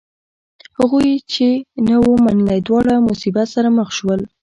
هغوی چې نه و منلی دواړه مصیبت سره مخ شول.